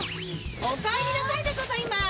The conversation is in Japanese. おかえりなさいでございます。